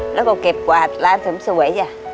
แล้วก็เก็บกวาดร้านเสริมสวยจ้ะ